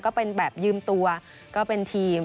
ก็เป็นแบบยืมตัวก็เป็นทีม